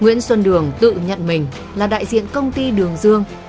nguyễn xuân đường tự nhận mình là đại diện công ty đường dương